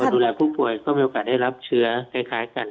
ดูแลผู้ป่วยก็มีโอกาสได้รับเชื้อคล้ายกัน